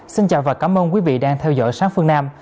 xin chào và cảm ơn quý vị đang theo dõi sáng phương nam